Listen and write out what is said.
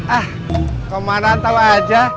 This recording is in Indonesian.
ah pumanan tahu aja